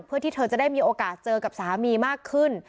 เพื่อที่เธอจะได้มีโอกาสเจอกับสามีมากขึ้น